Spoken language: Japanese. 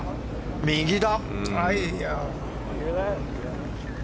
右だ！